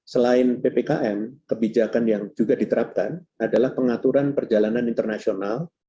selain ppkm kebijakan yang juga diterapkan adalah pengaturan perjalanan internasional